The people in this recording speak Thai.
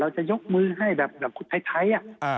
จะยกมือให้แบบไทย